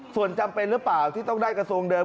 ส่วนจำเป็นหรือเปล่าที่ต้องได้กระทรวงเดิม